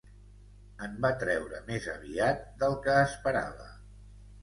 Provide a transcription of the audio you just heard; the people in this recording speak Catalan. En va treure més aviat del que esperava.